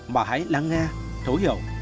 mà hãy lắng nghe thấu hiểu